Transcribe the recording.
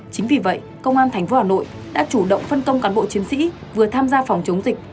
chính vì vậy công an tp hà nội đã chủ động phân công cán bộ chiến sĩ vừa tham gia phòng chống dịch